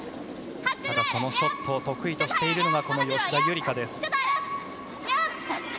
ただそのショットを得意としているのが吉田夕梨花。